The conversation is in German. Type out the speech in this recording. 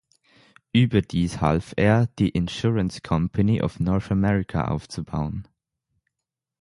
Überdies half er, die "Insurance Company of North America" aufzubauen.